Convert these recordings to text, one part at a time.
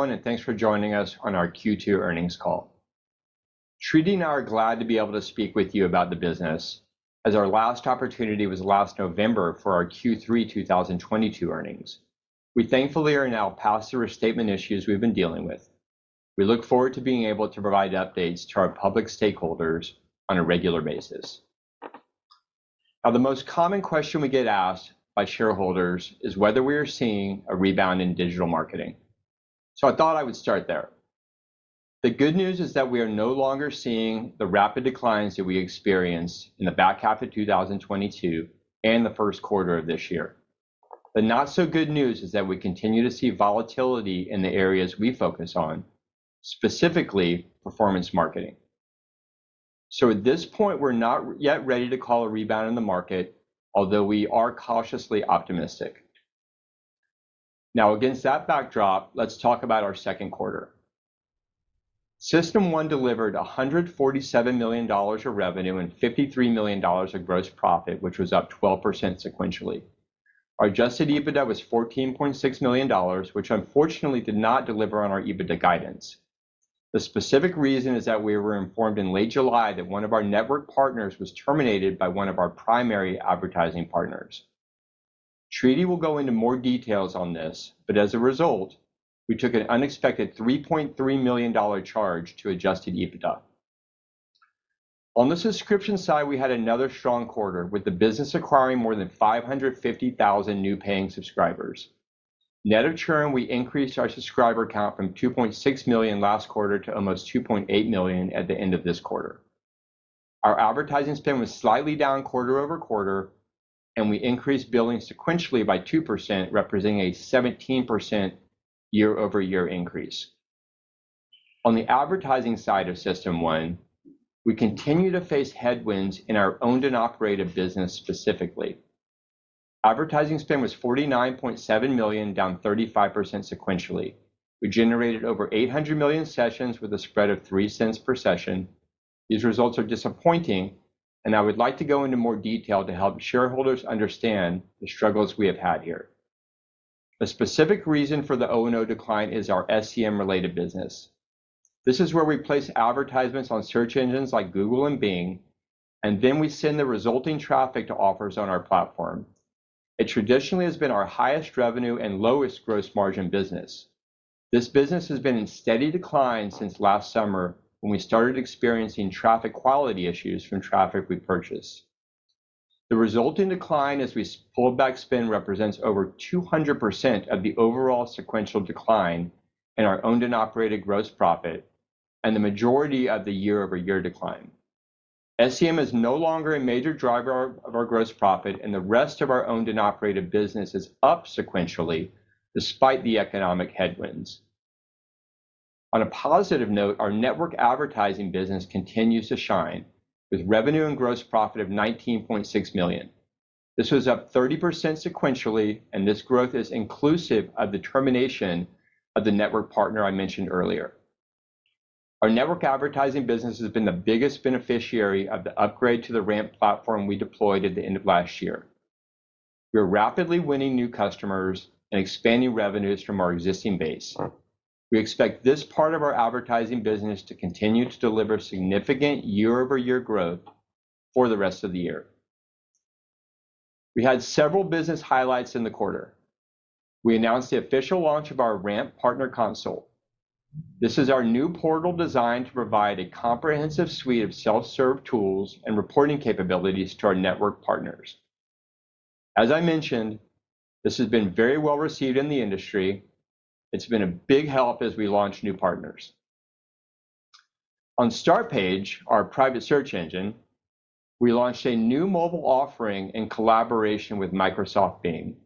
Everyone, thanks for joining us on our Q2 earnings call. Tridi and I are glad to be able to speak with you about the business, as our last opportunity was last November for our Q3 2022 earnings. We thankfully are now past the restatement issues we've been dealing with. We look forward to being able to provide updates to our public stakeholders on a regular basis. The most common question we get asked by shareholders is whether we are seeing a rebound in digital marketing, so I thought I would start there. The good news is that we are no longer seeing the rapid declines that we experienced in the back half of 2022 and the first quarter of this year. The not-so-good news is that we continue to see volatility in the areas we focus on, specifically performance marketing. At this point, we're not yet ready to call a rebound in the market, although we are cautiously optimistic. Now, against that backdrop, let's talk about our second quarter. System1 delivered $147 million of revenue and $53 million of gross profit, which was up 12% sequentially. Our adjusted EBITDA was $14.6 million, which unfortunately did not deliver on our EBITDA guidance. The specific reason is that we were informed in late July that one of our network partners was terminated by one of our primary advertising partners. Tridi will go into more details on this, but as a result, we took an unexpected $3.3 million charge to adjusted EBITDA. On the subscription side, we had another strong quarter, with the business acquiring more than 550,000 new paying subscribers. Net of churn, we increased our subscriber count from 2.6 million last quarter to almost 2.8 million at the end of this quarter. Our advertising spend was slightly down quarter-over-quarter, and we increased billing sequentially by 2%, representing a 17% year-over-year increase. On the advertising side of System1, we continue to face headwinds in our owned and operated business specifically. Advertising spend was $49.7 million, down 35% sequentially. We generated over 800 million sessions with a spread of $0.03 per session. These results are disappointing, and I would like to go into more detail to help shareholders understand the struggles we have had here. A specific reason for the O&O decline is our SEM-related business. This is where we place advertisements on search engines like Google and Bing, then we send the resulting traffic to offers on our platform. It traditionally has been our highest revenue and lowest gross margin business. This business has been in steady decline since last summer, when we started experiencing traffic quality issues from traffic we purchase. The resulting decline as we pulled back spend represents over 200% of the overall sequential decline in our owned and operated gross profit and the majority of the year-over-year decline. SEM is no longer a major driver of our gross profit, the rest of our owned and operated business is up sequentially, despite the economic headwinds. On a positive note, our network advertising business continues to shine, with revenue and gross profit of $19.6 million. This was up 30% sequentially. This growth is inclusive of the termination of the network partner I mentioned earlier. Our network advertising business has been the biggest beneficiary of the upgrade to the RAMP platform we deployed at the end of last year. We're rapidly winning new customers and expanding revenues from our existing base. We expect this part of our advertising business to continue to deliver significant year-over-year growth for the rest of the year. We had several business highlights in the quarter. We announced the official launch of our RAMP Partner Console. This is our new portal designed to provide a comprehensive suite of self-serve tools and reporting capabilities to our network partners. As I mentioned, this has been very well received in the industry. It's been a big help as we launch new partners. On Startpage, our private search engine, we launched a new mobile offering in collaboration with Microsoft Bing,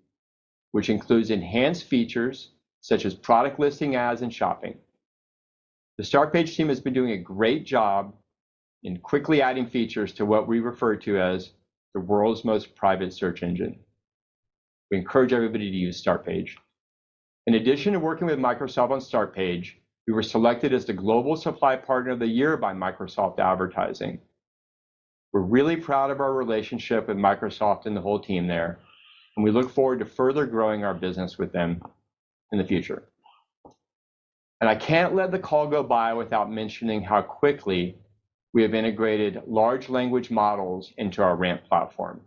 which includes enhanced features such as product listing, ads, and shopping. The Startpage team has been doing a great job in quickly adding features to what we refer to as the world's most private search engine. We encourage everybody to use Startpage. In addition to working with Microsoft on Startpage, we were selected as the Global Supply Partner of the Year by Microsoft Advertising. We're really proud of our relationship with Microsoft and the whole team there. We look forward to further growing our business with them in the future. I can't let the call go by without mentioning how quickly we have integrated large language models into our RAMP platform.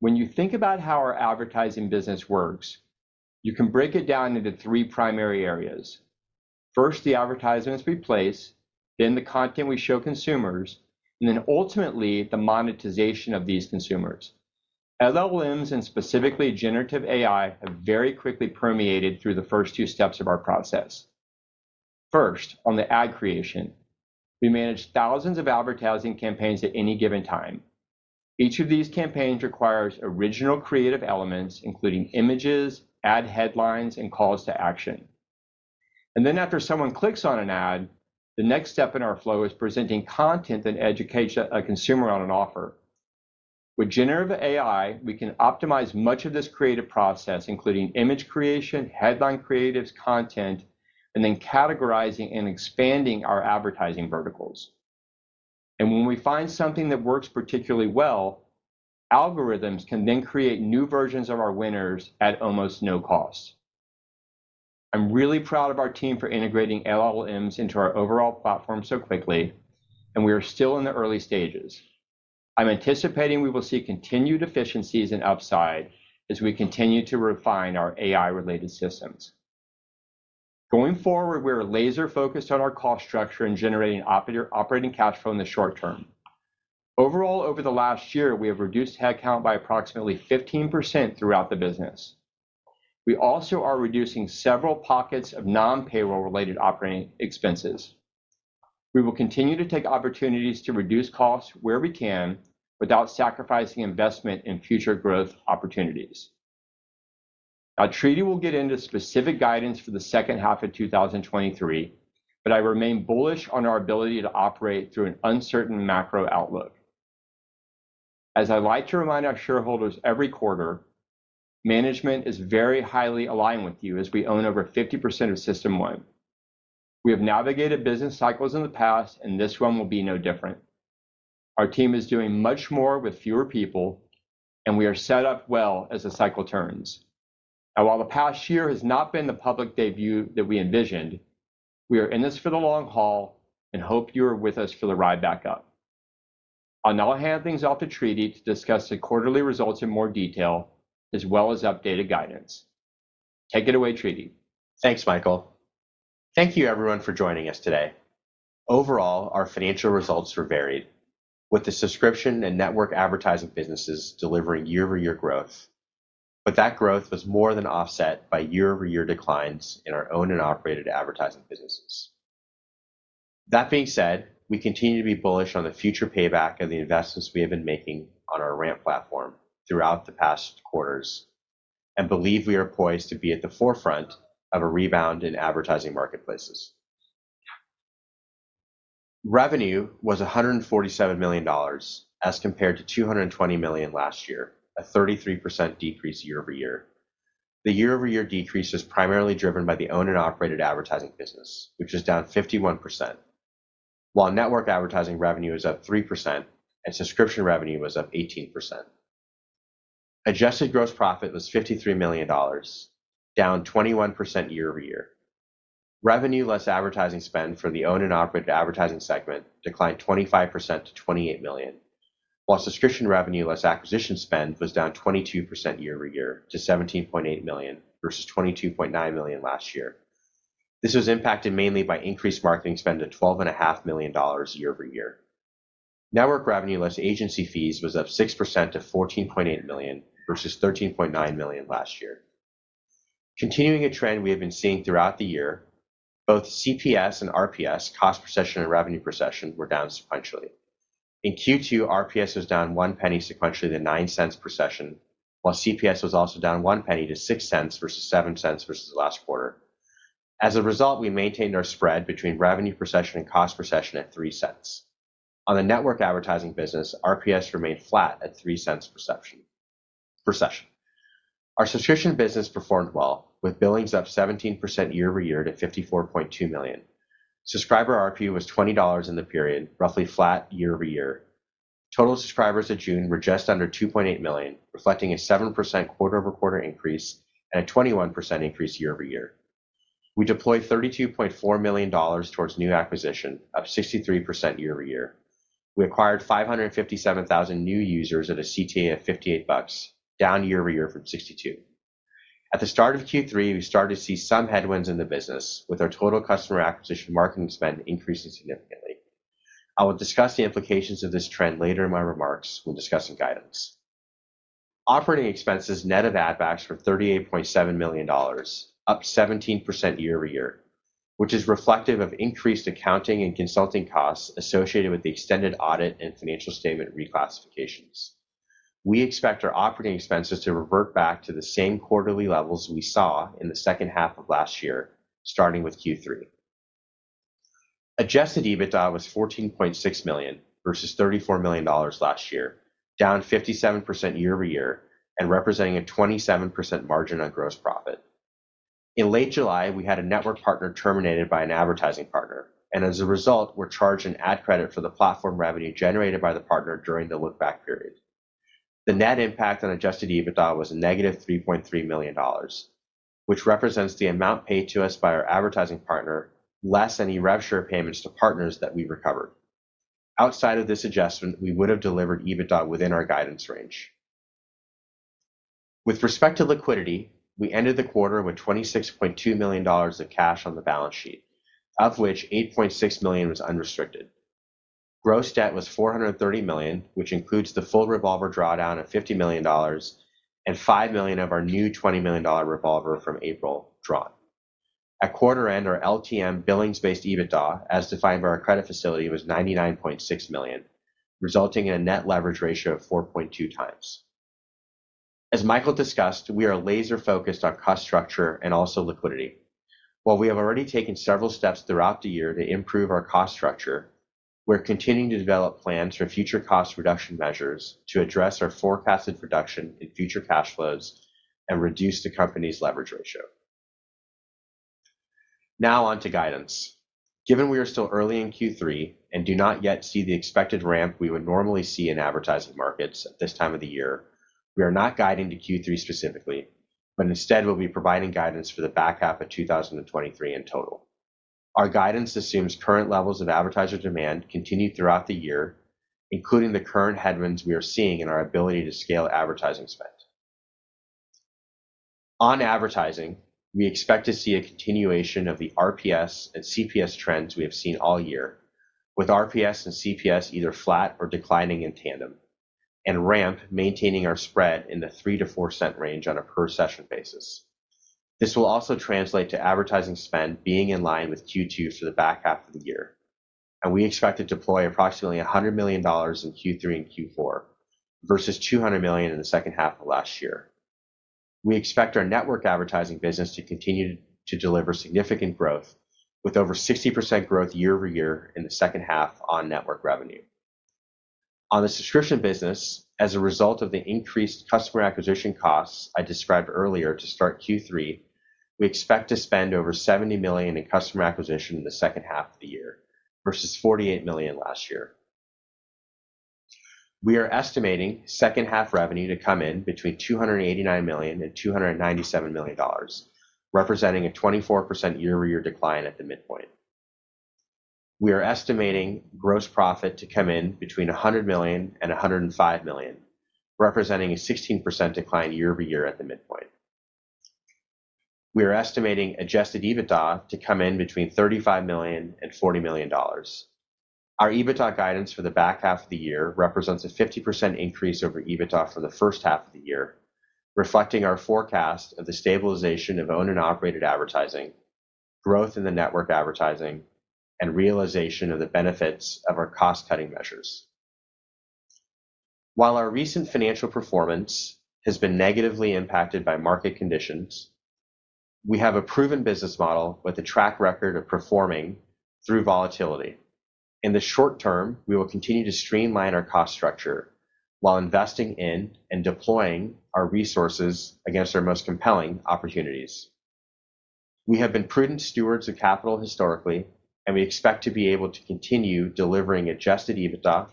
When you think about how our advertising business works, you can break it down into three primary areas. First, the advertisements we place, then the content we show consumers, and then ultimately, the monetization of these consumers. LLMs, specifically generative AI, have very quickly permeated through the first two steps of our process. First, on the ad creation, we manage thousands of advertising campaigns at any given time. Each of these campaigns requires original creative elements, including images, ad headlines, and calls to action. Then after someone clicks on an ad, the next step in our flow is presenting content that educates a consumer on an offer. With generative AI, we can optimize much of this creative process, including image creation, headline creatives, content, and then categorizing and expanding our advertising verticals. When we find something that works particularly well, algorithms can then create new versions of our winners at almost no cost. I'm really proud of our team for integrating LLMs into our overall platform so quickly, and we are still in the early stages. I'm anticipating we will see continued efficiencies and upside as we continue to refine our AI-related systems. Going forward, we're laser-focused on our cost structure and generating operating cash flow in the short term. Overall, over the last year, we have reduced headcount by approximately 15% throughout the business. We also are reducing several pockets of non-payroll related operating expenses. We will continue to take opportunities to reduce costs where we can, without sacrificing investment in future growth opportunities. Now, Tridi will get into specific guidance for the second half of 2023, but I remain bullish on our ability to operate through an uncertain macro outlook. As I like to remind our shareholders every quarter, management is very highly aligned with you as we own over 50% of System1. We have navigated business cycles in the past, and this one will be no different. Our team is doing much more with fewer people, and we are set up well as the cycle turns. While the past year has not been the public debut that we envisioned, we are in this for the long haul and hope you are with us for the ride back up. I'll now hand things off to Tridi to discuss the quarterly results in more detail, as well as updated guidance. Take it away, Tridi. Thanks, Michael. Thank you everyone for joining us today. Overall, our financial results were varied, with the subscription and network advertising businesses delivering year-over-year growth. That growth was more than offset by year-over-year declines in our owned and operated advertising businesses. That being said, we continue to be bullish on the future payback of the investments we have been making on our RAMP platform throughout the past quarters, and believe we are poised to be at the forefront of a rebound in advertising marketplaces. Revenue was $147 million, as compared to $220 million last year, a 33% decrease year-over-year. The year-over-year decrease was primarily driven by the owned and operated advertising business, which is down 51%, while network advertising revenue is up 3% and subscription revenue was up 18%. Adjusted gross profit was $53 million, down 21% year-over-year. Revenue less advertising spend for the owned and operated advertising segment declined 25% to $28 million, while subscription revenue less acquisition spend was down 22% year-over-year to $17.8 versus 22.9 million last year. This was impacted mainly by increased marketing spend of $12.5 million year-over-year. Network revenue less agency fees was up 6% to $14.8 versus 13.9 million last year. Continuing a trend we have been seeing throughout the year, both CPS and RPS, cost per session and revenue per session, were down sequentially. In Q2, RPS was down $0.01 sequentially to $0.09 per session, while CPS was also down $0.01 to 0.06 versus 0.07 versus last quarter. As a result, we maintained our spread between revenue per session and cost per session at $0.03. On the network advertising business, RPS remained flat at $0.03 per session, per session. Our subscription business performed well, with billings up 17% year-over-year to $54.2 million. Subscriber RPU was $20 in the period, roughly flat year-over-year. Total subscribers in June were just under 2.8 million, reflecting a 7% quarter-over-quarter increase and a 21% increase year-over-year. We deployed $32.4 million towards new acquisition, up 63% year-over-year. We acquired 557,000 new users at a CTA of $58, down year-over-year from $62. At the start of Q3, we started to see some headwinds in the business, with our total customer acquisition marketing spend increasing significantly. I will discuss the implications of this trend later in my remarks when discussing guidance. Operating expenses net of add-backs for $38.7 million, up 17% year-over-year, which is reflective of increased accounting and consulting costs associated with the extended audit and financial statement reclassifications. We expect our operating expenses to revert back to the same quarterly levels we saw in the second half of last year, starting with Q3. Adjusted EBITDA was $14.6 million, versus $34 million last year, down 57% year-over-year, and representing a 27% margin on gross profit. In late July, we had a network partner terminated by an advertising partner, and as a result, we're charged an ad credit for the platform revenue generated by the partner during the look-back period. The net impact on adjusted EBITDA was negative $3.3 million, which represents the amount paid to us by our advertising partner, less any rev share payments to partners that we recovered. Outside of this adjustment, we would have delivered EBITDA within our guidance range. With respect to liquidity, we ended the quarter with $26.2 million of cash on the balance sheet, of which $8.6 million was unrestricted. Gross debt was $430 million, which includes the full revolver drawdown of $50 million, and $5 million of our new $20 million revolver from April drawn. At quarter end, our LTM billings-based EBITDA, as defined by our credit facility, was $99.6 million, resulting in a net leverage ratio of 4.2 times. As Michael discussed, we are laser-focused on cost structure and also liquidity. While we have already taken several steps throughout the year to improve our cost structure, we're continuing to develop plans for future cost reduction measures to address our forecasted reduction in future cash flows and reduce the company's leverage ratio. On to guidance. Given we are still early in Q3 and do not yet see the expected ramp we would normally see in advertising markets at this time of the year, we are not guiding to Q3 specifically, but instead we'll be providing guidance for the back half of 2023 in total. Our guidance assumes current levels of advertiser demand continue throughout the year, including the current headwinds we are seeing in our ability to scale advertising spend. On advertising, we expect to see a continuation of the RPS and CPS trends we have seen all year, with RPS and CPS either flat or declining in tandem, and RAMP maintaining our spread in the 3-4 cent range on a per session basis. This will also translate to advertising spend being in line with Q2 for the back half of the year, and we expect to deploy approximately $100 million in Q3 and Q4, versus $200 million in the second half of last year. We expect our network advertising business to continue to deliver significant growth, with over 60% growth year-over-year in the second half on network revenue. On the subscription business, as a result of the increased customer acquisition costs I described earlier to start Q3, we expect to spend over $70 million in customer acquisition in the second half of the year versus $48 million last year. We are estimating second half revenue to come in between $289 and 297 million, representing a 24% year-over-year decline at the midpoint. We are estimating gross profit to come in between $100 and 105 million, representing a 16% decline year-over-year at the midpoint. We are estimating adjusted EBITDA to come in between $35 and 40 million. Our EBITDA guidance for the back half of the year represents a 50% increase over EBITDA for the first half of the year, reflecting our forecast of the stabilization of owned and operated advertising, growth in the network advertising, and realization of the benefits of our cost-cutting measures. While our recent financial performance has been negatively impacted by market conditions, we have a proven business model with a track record of performing through volatility. In the short term, we will continue to streamline our cost structure while investing in and deploying our resources against our most compelling opportunities. We have been prudent stewards of capital historically, and we expect to be able to continue delivering adjusted EBITDA,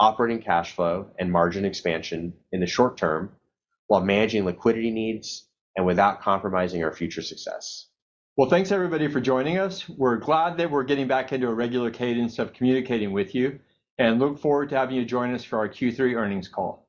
operating cash flow, and margin expansion in the short term, while managing liquidity needs and without compromising our future success. Well, thanks everybody for joining us. We're glad that we're getting back into a regular cadence of communicating with you, and look forward to having you join us for our Q3 earnings call. Thank you.